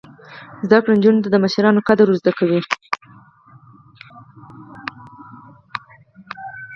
زده کړه نجونو ته د مشرانو قدر ور زده کوي.